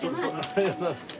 ありがとうございます。